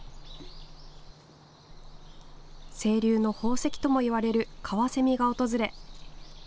清流の宝石ともいわれるカワセミが訪れ。